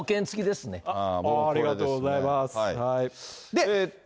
ありがとうございます。